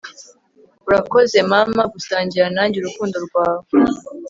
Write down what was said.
urakoze, mama, gusangira nanjye urukundo rwawe